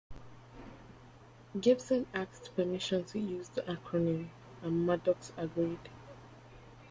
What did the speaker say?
Gibson asked permission to use the acronym, and Maddox agreed.